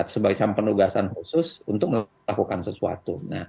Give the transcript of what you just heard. sebagai penugasan khusus untuk melakukan sesuatu